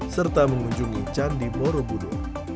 serta mengunjungi candi morobudur